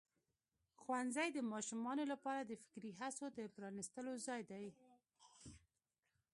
ښوونځی د ماشومانو لپاره د فکري هڅو د پرانستلو ځای دی.